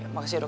makasih ya dok